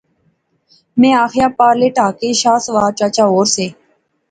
میں آخیا، پارلے ٹہا کے شاہ سوار چچا اور سے